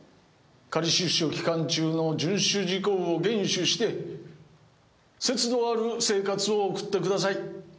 仮出所期間中の遵守事項を厳守して節度ある生活を送ってください。